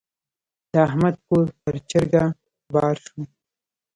د احمد کور پر چرګه بار شو.